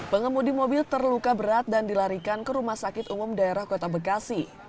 pengemudi mobil terluka berat dan dilarikan ke rumah sakit umum daerah kota bekasi